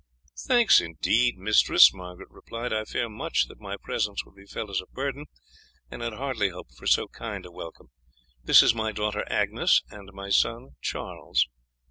"Thanks indeed, mistress!" Margaret replied. "I feared much that my presence would be felt as a burden, and had hardly hoped for so kind a welcome. This is my daughter Agnes, and my son Charles."